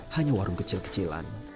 hanya warung kecil kecilan